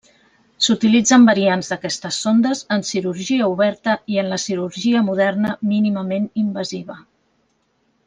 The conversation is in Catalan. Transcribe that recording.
S'utilitzen variants d'aquestes sondes en cirurgia oberta i en la cirurgia moderna mínimament invasiva.